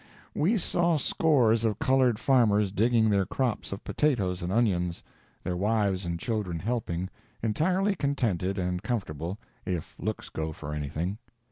We saw scores of colored farmers digging their crops of potatoes and onions, their wives and children helping entirely contented and comfortable, if looks go for anything.